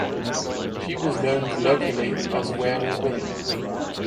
She was known colloquially as "Weary Willy".